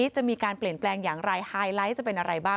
จะมีการเปลี่ยนแปลงอย่างไรไฮไลท์จะเป็นอะไรบ้าง